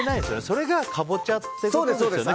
それがカボチャってことですか。